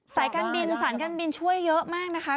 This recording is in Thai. สายการบินสายการบินช่วยเยอะมากนะคะ